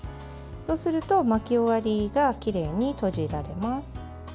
そうすると、巻き終わりがきれいに閉じられます。